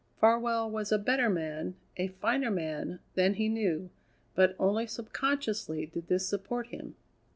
Farwell was a better man, a finer man, than he knew, but only subconsciously did this support him.